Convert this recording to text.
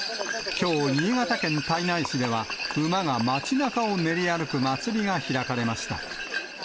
きょう、新潟県胎内市では、馬が町なかを練り歩く祭りが開かれました。